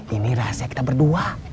ini rahasia kita berdua